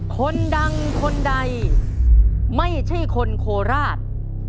คนดังคนใดไม่ใช่คนโคราช